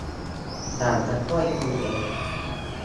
ฉันจะช่วยคุณเอง